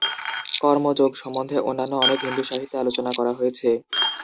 কর্ম যোগ সম্বন্ধে অন্যান্য অনেক হিন্দু সাহিত্যে আলোচনা করা হয়েছে।